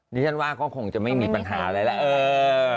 ดิฉันว่าก็คงจะไม่มีปัญหาอะไรล่ะ